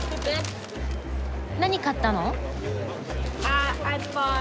何買ったの？